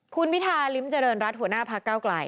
คุณพิธาริมเจริญรัฐหัวหน้าพักเก้าไกล